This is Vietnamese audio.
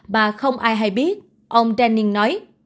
mà không ai hay biết ông denning nói